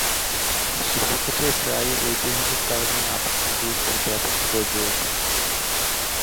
শিল্পক্ষেত্রে প্রায়ই ঐতিহাসিক কারণে আপেক্ষিক গুরুত্বের ব্যাপক প্রয়োগ রয়েছে।